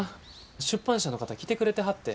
出版社の方来てくれてはって。